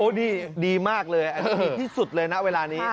โอ้ดีมากเลยดีที่สุดเลยนะเวลานี้